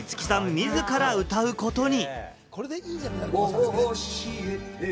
自ら歌うことに。